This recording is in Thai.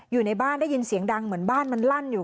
อยู่ในบ้านได้ยินเสียงดังเหมือนบ้านมันลั่นอยู่